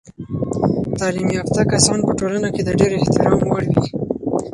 تعلیم یافته کسان په ټولنه کې د ډیر احترام وړ وي.